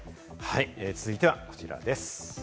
続いてはこちらです。